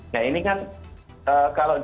nah ini kan